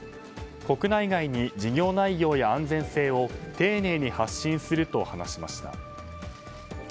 国内外に事業内容や安全性を丁寧に発信すると話しました。